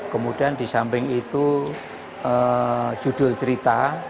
kemudian di samping itu judul cerita